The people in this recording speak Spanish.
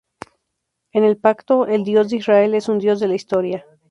En el pacto, el Dios de Israel es un Dios de la historia.